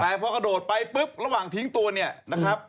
แต่พอกระโดดไปปุ๊บระหว่างทิ้งตัวเนี่ยนะครับ